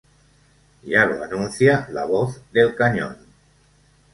Ya lo anuncia la voz del cañón.